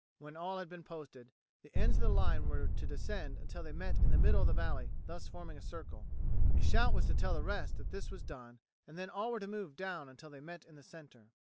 When all had been posted, the ends of the line were to descend until they met in the middle of the valley, thus forming a circle. A shout was to tell the rest that this was done, and then all were to move down until they met in the centre.